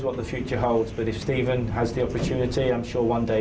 ก็เชื่อว่าตอนนี้จะได้